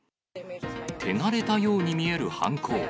手慣れたように見える犯行。